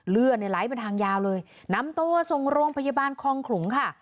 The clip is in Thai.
เลือดเนี่ยไหลเป็นทางยาวเลยนำตัวส่งโรงพยาบาลคองขลุงค่ะ